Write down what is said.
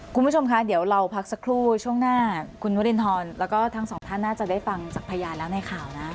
คุณผู้ชมคะเดี๋ยวเราพักสักครู่ช่วงหน้าคุณวรินทรแล้วก็ทั้งสองท่านน่าจะได้ฟังจากพยานแล้วในข่าวนะ